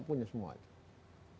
jadi kita harus mengangkat tentunya